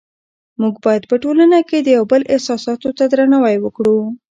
موږ باید په ټولنه کې د یو بل احساساتو ته درناوی وکړو